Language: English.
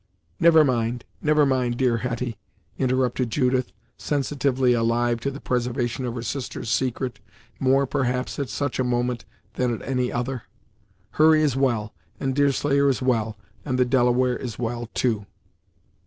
"Never mind never mind, dear Hetty " interrupted Judith, sensitively alive to the preservation of her sister's secret, more, perhaps, at such a moment, than at any other. "Hurry is well, and Deerslayer is well, and the Delaware is well, too."